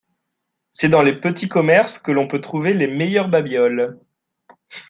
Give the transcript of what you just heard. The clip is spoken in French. C'est dans les petits commerces que l'on peut trouver les meilleurs babioles.